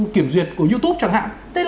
kiểu duyệt của youtube chẳng hạn